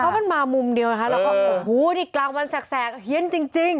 เพราะมันมามุมเดียวนะคะแล้วก็โอ้โหนี่กลางวันแสกเฮียนจริง